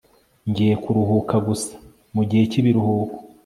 ngiye kuruhuka gusa mugihe cyibiruhuko